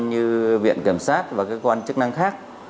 như viện kiểm soát và các cơ quan chức năng khác